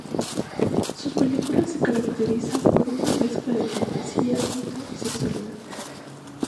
Sus películas se caracterizan por una mezcla de fantasía, mito y sexualidad.